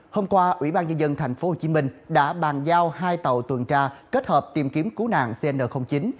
hôm qua ủy ban nhân dân tp hcm đã bàn giao hai tàu tuần tra kết hợp tìm kiếm cứu nạn cn chín